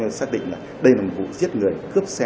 nói chung là đây là một vụ giết người cướp xe máy